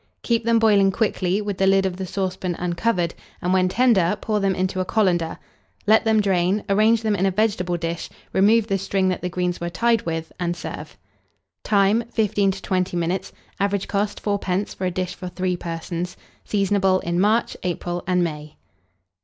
Keep them boiling quickly, with the lid of the saucepan uncovered, and when tender, pour them into a colander; let them drain, arrange them in a vegetable dish, remove the string that the greens were tied with, and serve. Time. 15 to 20 minutes. Average cost, 4d. for a dish for 3 persons. Seasonable in March, April, and May.